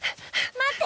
待って！